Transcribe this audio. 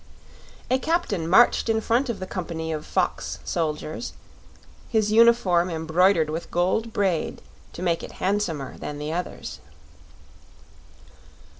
A captain marched in front of the company of fox soldiers, his uniform embroidered with gold braid to make it handsomer than the others.